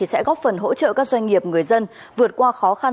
sẽ góp phần hỗ trợ các doanh nghiệp người dân vượt qua khó khăn